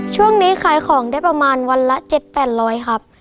ช่วงนี้ขายของได้ประมาณวันละ๗๘๐๐ครับ